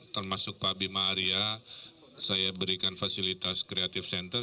termasuk pabima area saya berikan fasilitas kreatif center